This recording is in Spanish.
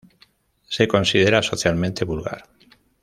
Se considera socialmente vulgar.